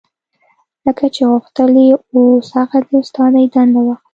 لکه چې غوښتل يې اوس هغه د استادۍ دنده واخلي.